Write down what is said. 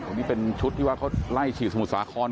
อันนี้เป็นชุดที่ว่าเขาไล่ฉีดสมุทรสาคร